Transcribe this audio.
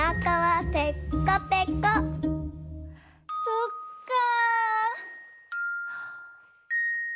そっか。